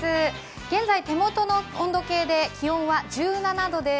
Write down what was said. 現在、手元の温度計で気温は１７度です。